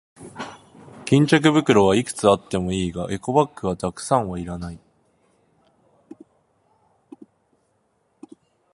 巾着袋はいくつあってもいいが、エコバッグはたくさんはいらない。